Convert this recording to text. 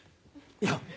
いや。